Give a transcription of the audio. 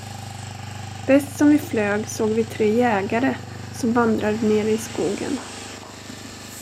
Bäst som vi flög, såg vi tre jägare, som vandrade nere i skogen.